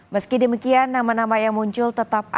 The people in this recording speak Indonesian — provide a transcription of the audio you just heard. meski demikian nama nama yang muncul tetap ada